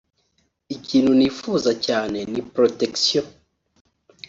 ikintu nifuzaga cyane ni protection